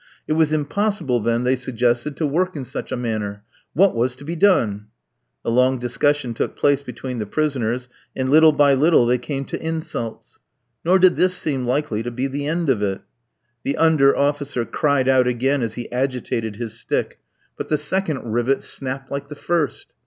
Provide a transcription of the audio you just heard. It was impossible, then, they suggested, to work in such a manner. What was to be done? A long discussion took place between the prisoners, and little by little they came to insults; nor did this seem likely to be the end of it. The under officer cried out again as he agitated his stick, but the second rivet snapped like the first.